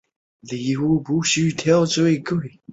母庞氏。